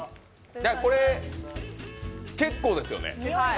これ、結構ですよね。